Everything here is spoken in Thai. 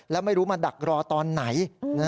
แล้วไม่รู้มาดักรอตอนไหน